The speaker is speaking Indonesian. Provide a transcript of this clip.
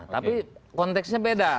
tapi konteksnya beda